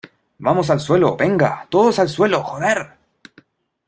vamos, al suelo. ¡ venga! ¡ todos al suelo , joder !